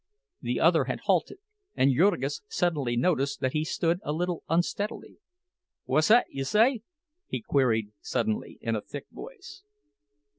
The other had halted, and Jurgis suddenly noticed that he stood a little unsteadily. "Whuzzat you say?" he queried suddenly, in a thick voice.